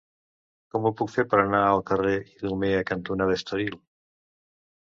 Com ho puc fer per anar al carrer Idumea cantonada Estoril?